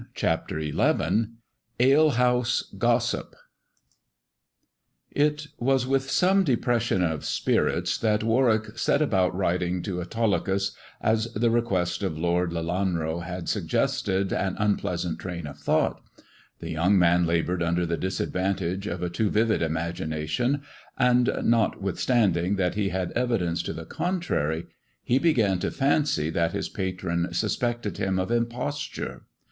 CHAPTER XI ALEHOUSE GOSSIP IT was with some depression of spirits that Warwick set about writing to Autolycus, as the request of Lord Lielanro had suggested an unpleasant train of thought. The young man laboured under the disadvantage of a too vivid imagination, and, notwithstanding that he had evi dence to the contrary, he began to fancy that his patron suspected him of imposture.